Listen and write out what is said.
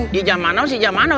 di jamanau sih jamanau